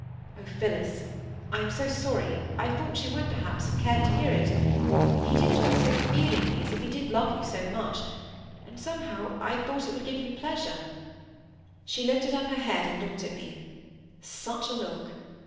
"Oh, Phillis! I am so sorry—I thought you would, perhaps, have cared to hear it; he did talk so feelingly, as if he did love you so much, and somehow I thought it would give you pleasure." She lifted up her head and looked at me. Such a look!